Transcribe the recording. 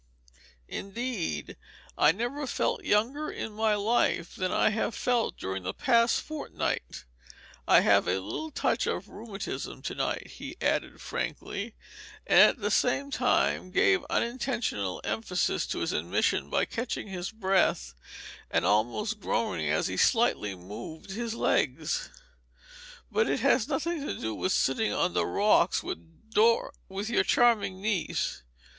Indeed, I never felt younger in my life than I have felt during the past fortnight. I have a little touch of rheumatism to night," he added, frankly, and at the same time gave unintentional emphasis to his admission by catching his breath and almost groaning as he slightly moved his legs, "but it has nothing to do with sitting on the rocks with Dor with your charming niece.